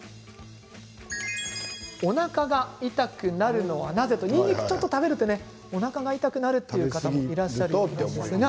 おなかが痛くなるのはなぜ？ということでにんにくを食べるとおなかが痛くなるという方もいらっしゃいますよね。